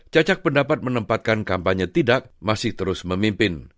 cacak pendapat menempatkan kampanye tidak masih terus memimpin